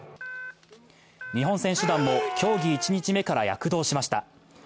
日本選手団も競技１日目から躍動しました。